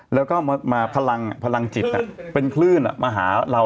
แล้วก็มาพลังจิตเป็นคลื่นมาหาเรา